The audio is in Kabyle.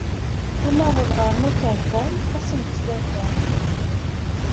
Ad naweḍ ɣer Rotterdam ass n ttlata.